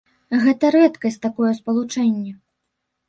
Гэта рэдкасць, такое спалучэнне!